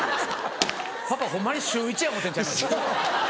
パパホンマに「週１」や思うてるんちゃいます？